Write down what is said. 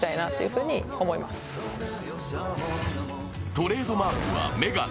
トレードマークは、眼鏡。